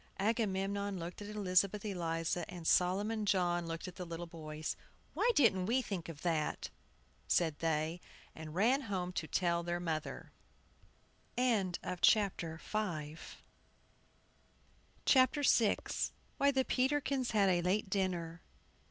Agamemnon looked at Elizabeth Eliza, and Solomon John looked at the little boys. "Why didn't we think of that?" said they, and ran home to tell their mother. WHY THE PETERKINS HAD A LATE DINNER.